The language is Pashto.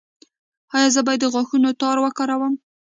ایا زه باید د غاښونو تار وکاروم؟